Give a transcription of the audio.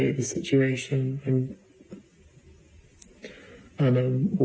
เธอเล่าต่อนะครับ